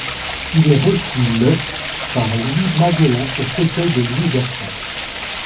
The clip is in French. Il est reçu le par Louis Madelin au fauteuil de Louis Bertrand.